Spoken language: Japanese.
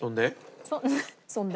そんで？